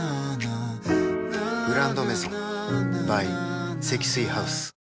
「グランドメゾン」ｂｙ 積水ハウス